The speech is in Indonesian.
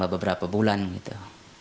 beberapa bulan gitu